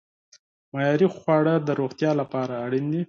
معیاري خواړه د روغتیا لپاره اړین دي.